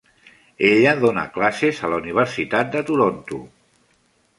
Ella dona classes a la Universitat de Toronto.